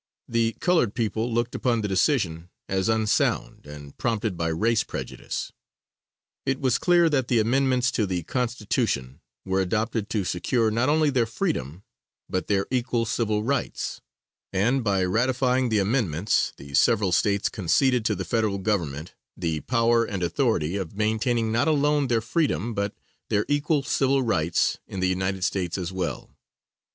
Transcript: The colored people looked upon the decision as unsound, and prompted by race prejudice. It was clear that the amendments to the Constitution were adopted to secure not only their freedom, but their equal civil rights, and by ratifying the amendments the several States conceded to the Federal government the power and authority of maintaining not alone their freedom, but their equal civil rights in the United States as well.